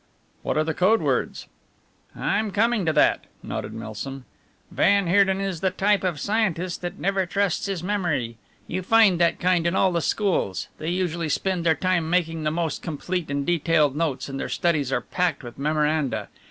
"What are the code words?" "I'm coming to that," nodded Milsom. "Van Heerden is the type of scientist that never trusts his memory. You find that kind in all the school they usually spend their time making the most complete and detailed notes, and their studies are packed with memoranda.